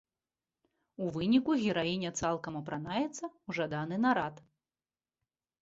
У выніку гераіня цалкам апранаецца ў жаданы нарад.